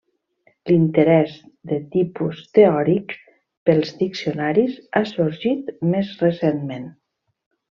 L'interès de tipus teòric pels diccionaris ha sorgit més recentment.